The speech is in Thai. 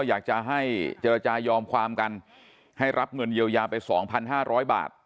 อยากจะให้เจรจายอมความกันให้รับเงินเยียวยาไป๒๕๐๐บาท